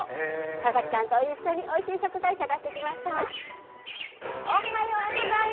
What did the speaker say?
田崎さんと一緒においしい食材を探してきました。